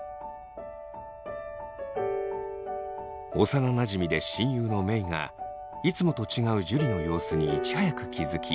幼なじみで親友のメイがいつもと違う樹の様子にいち早く気付き連絡をくれた。